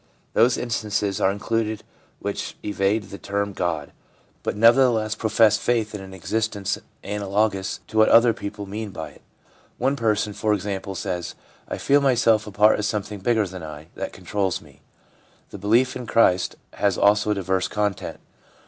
Those instances are included which evade the term God, but nevertheless profess faith in an existence analogous to what other people mean by it. One person, for example, says :' I feel myself a part of something bigger than I, that controls me/ The belief in Christ has also a diverse content.